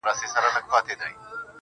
ژړا خــود نــــه ســـــــې كـــــــولاى